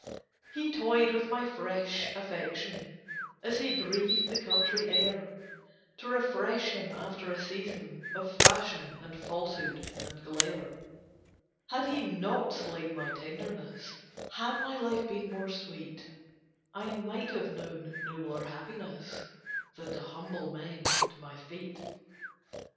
He toyed with my fresh affection As he breathed the country air, To refresh him after a season Of fashion, and falsehood, and glare; Had he not slain my tenderness, Had my life been more sweet, I might have known nobler happiness Than to humble men to my feet.